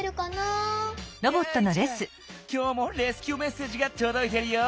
きょうもレスキューメッセージがとどいてるよ！